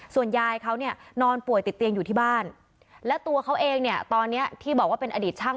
ส่วนยายเขาเนี่ยนอนป่วยติดเตียงอยู่ที่บ้านและตัวเขาเองเนี่ยตอนนี้ที่บอกว่าเป็นอดีตช่าง